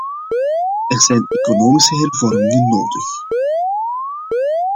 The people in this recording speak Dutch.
Er zijn economische hervormingen nodig.